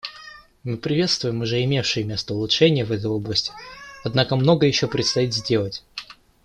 Мы приветствуем уже имевшие место улучшения в этой области, однако многое еще предстоит сделать.